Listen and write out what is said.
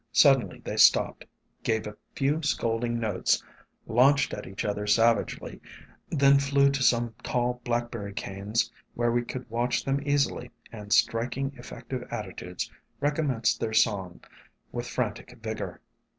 Suddenly they stopped, gave a few scolding notes, launched at each other savagely, then flew to some tall black berry canes where we could watch them easily, and striking effective attitudes, recommenced their song with frantic vigor.